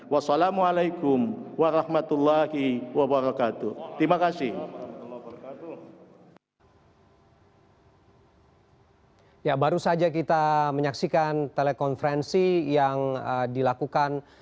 wassalamualaikum warahmatullahi wabarakatuh